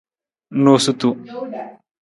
Noosutu.